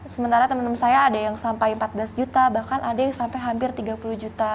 sementara teman teman saya ada yang sampai empat belas juta bahkan ada yang sampai hampir tiga puluh juta